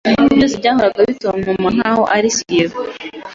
Ibi byose byahoraga bitontoma nkaho ari seis